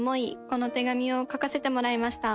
この手紙をかかせてもらいました。